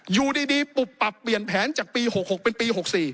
อยู่ดีปุบปรับเปลี่ยนแผนจากปี๖๖เป็นปี๖๔